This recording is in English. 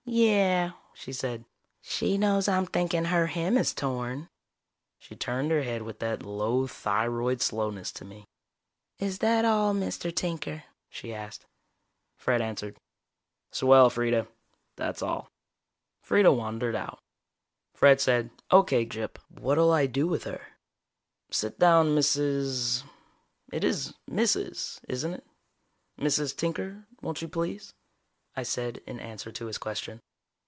"Yeah," she said. "She knows I'm thinking her hem is torn." She turned her head with that low thyroid slowness to me. "Is that all, Mr. Tinker?" she asked. Fred answered. "Swell, Freeda. That's all." Freeda wandered out. Fred said: "O.K., Gyp. What'll I do with her?" "Sit down, Mrs. ... it is Mrs., isn't it? ... Mrs. Tinker, won't you please?" I said in answer to his question.